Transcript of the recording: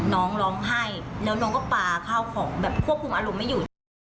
น้องร้องไห้แล้วน้องก็ปลาข้าวของแบบควบคุมอารมณ์ไม่อยู่ใช่ไหม